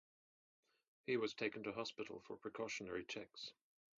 He was taken to hospital for precautionary checks.